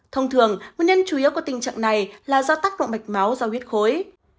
thông thường nguyên nhân chủ yếu của tình trạng này là do tác động mạch máu do huyết khối